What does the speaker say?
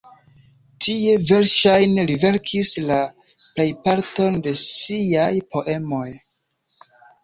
Tie, verŝajne, li verkis la plejparton de siaj poemoj.